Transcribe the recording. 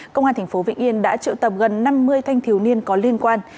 công an thành phố vĩnh yên đã triệu tập gần năm mươi thanh thiếu niên có liên quan